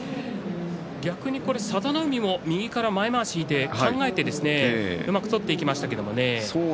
逆に佐田の海も右から前まわしを引いて考えてうまく取っていきましたけどね。